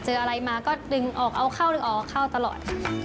เจออะไรมาก็ดึงออกเอาเข้าดึงออกเอาเข้าตลอดค่ะ